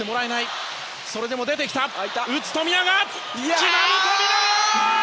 決まる富永！